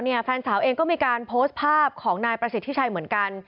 แฟนสาวเองก็มีการโพสต์ภาพของนายประสิทธิชัยเหมือนกัน